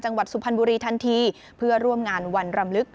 สุพรรณบุรีทันทีเพื่อร่วมงานวันรำลึก